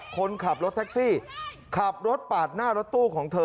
คนขับรถแท็กซี่ขับรถปาดหน้ารถตู้ของเธอ